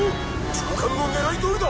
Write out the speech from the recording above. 長官の狙いどおりだ！